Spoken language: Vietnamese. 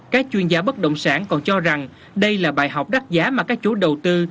các chuyên gia bất động sản còn cho rằng đây là bài học đắt giá mà các chủ đầu tư